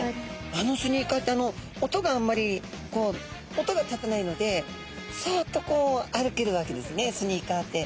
あのスニーカーって音があんまり音が立たないのでサッとこう歩けるわけですねスニーカーって。